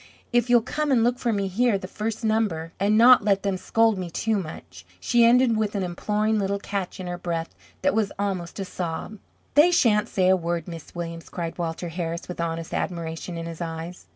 If you'll come and look for me here the first number, and not let them scold me too much " She ended with an imploring little catch in her breath that was almost a sob. "They sha'n't say a word, Miss Williams!" cried Walter Harris, with honest admiration in his eyes.